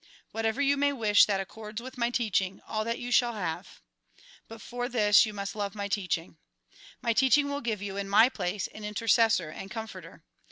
Whatever you may wish that accords with my teaching, all that you shall have. But for this you must love my teaching. My teaching will give you, in my place, an intercessor and comforter.